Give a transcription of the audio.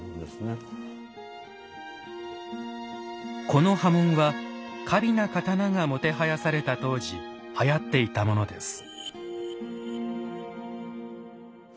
この刃文は華美な刀がもてはやされた当時はやっていたものです。